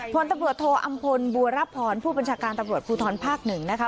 พลตำรวจโทอำพลบัวรับพรผู้บัญชาการตำรวจภูทรภาคหนึ่งนะคะ